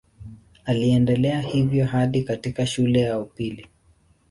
Aliendelea hivyo hadi katika shule ya upili.